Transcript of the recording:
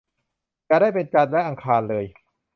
อย่าได้เป็นจันทร์และอังคารเลย